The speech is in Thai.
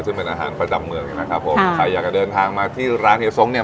ซึ่งเป็นอาหารประจำเมืองนะครับผมใครอยากจะเดินทางมาที่ร้านเฮียสงเนี่ย